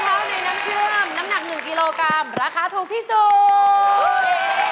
ข้าวในน้ำเชื่อมน้ำหนัก๑กิโลกรัมราคาถูกที่สุด